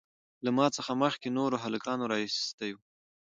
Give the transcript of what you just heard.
له ما څخه مخکې نورو هلکانو رااېستى وو.